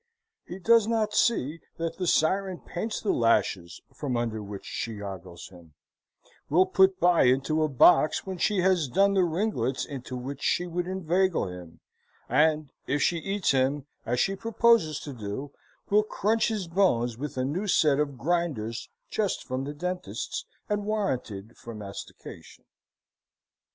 He does not see that the siren paints the lashes from under which she ogles him; will put by into a box when she has done the ringlets into which she would inveigle him; and if she eats him, as she proposes to do, will crunch his bones with a new set of grinders just from the dentist's, and warranted for mastication.